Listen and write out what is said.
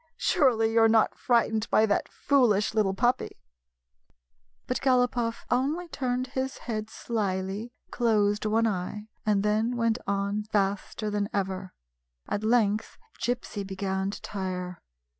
Surely you 're not frightened by that foolish little puppy !" But Galopoff only turned his head slyly, closed one eye, and then went on faster than ever. At length Gypsy began to tire.